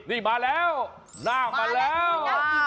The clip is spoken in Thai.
นี่มาแล้วหน้ามาแล้ว